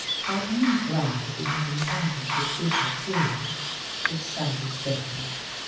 I am glad you have imparted this secret to me. It shall be sacred.